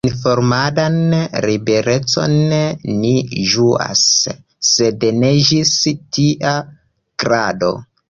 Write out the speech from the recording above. Informadan liberecon ni ĝuas, sed ne ĝis tia grado.